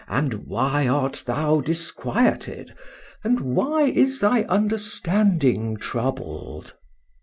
and why art thou disquieted? and why is thy understanding troubled?"